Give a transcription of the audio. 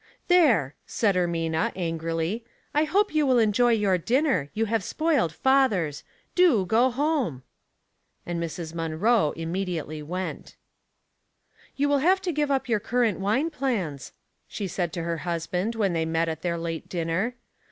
There !" said Eimina, angrily. " I hope you will enjoy your dinner ; you have spoiled father's. Do go home." And Mrs. Munroe immediately went. " You will have to give up your currant wine plans," she said to her husband when they met The Force of Argument, 225 at their late dinner.